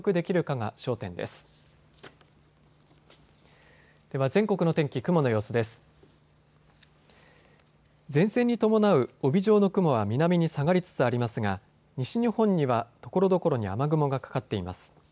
前線に伴う帯状の雲は南に下がりつつありますが西日本にはところどころに雨雲がかかっています。